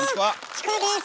チコです